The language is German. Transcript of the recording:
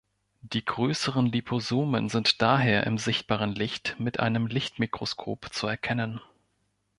Die größeren Liposomen sind daher im sichtbaren Licht mit einem Lichtmikroskop zu erkennen.